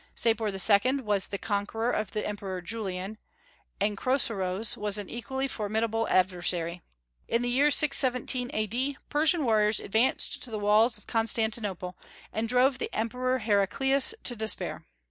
Sapor II. was the conqueror of the Emperor Julian, and Chrosroes was an equally formidable adversary. In the year 617 A.D. Persian warriors advanced to the walls of Constantinople, and drove the Emperor Heraclius to despair.